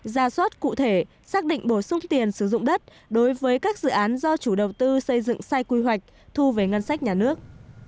ra soát cụ thể xác định bổ sung tiền sử dụng đất đối với các dự án do chủ đầu tư xây dựng sai quy hoạch thu về ngân sách nhà nước